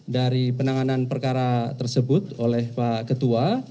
dari penanganan perkara tersebut oleh pak ketua